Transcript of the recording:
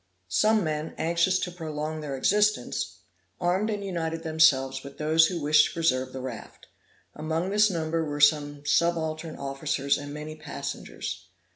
Some men anxious to prolong their existence, armed and united themselves with those who wished to preserve the raft; among this number were some subaltern officers and many passengers.